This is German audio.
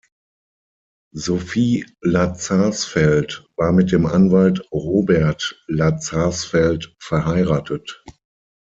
Sophie Lazarsfeld war mit dem Anwalt Robert Lazarsfeld verheiratet.